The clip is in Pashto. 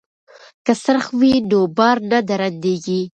که څرخ وي نو بار نه درندیږي.